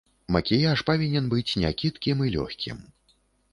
Макіяж павінен быць някідкім і лёгкім.